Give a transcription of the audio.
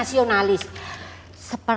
tidak ada apa apa